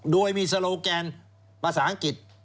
โดยมีโซโลแกนภาษาอังกฤษ